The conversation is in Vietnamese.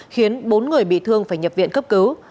khiến bốn người bị thương phải nhập viện cấp cứu